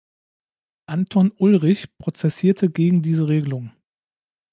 Anton Ulrich prozessierte gegen diese Regelung.